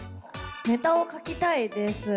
ネタを書きたいです。